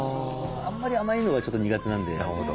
あんまり甘いのがちょっと苦手なんで。